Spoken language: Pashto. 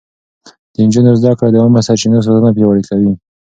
د نجونو زده کړه د عامه سرچينو ساتنه پياوړې کوي.